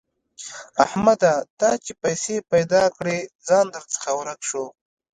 احمده! تا چې پيسې پیدا کړې؛ ځان درڅخه ورک شو.